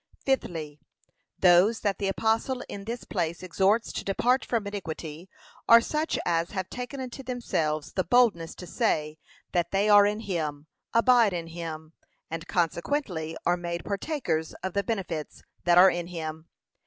Fifthly, Those that the apostle in this place exhorts to depart from iniquity are such as have taken unto themselves the boldness to say, that they are in him, abide in him, and consequently are made partakers of the benefits that are in him.